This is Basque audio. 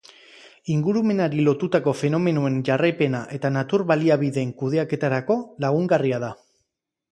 Ingurumenari lotutako fenomenoen jarraipena eta natur baliabideen kudeaketarako lagungarria da.